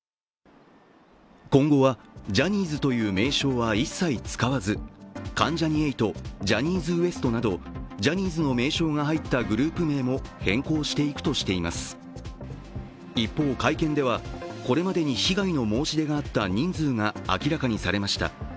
今後は、ジャニーズという名称は一切使わず関ジャニ∞、ジャニーズＷＥＳＴなどジャニーズの名称が入ったグループ名も変更していくとしています一方、会見では、これまでに被害の申し出があった人数が明らかにされました。